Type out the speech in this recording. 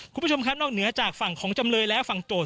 คุณผู้ชมครับนอกเหนือจากฝั่งของจำเลยและฝั่งโจทย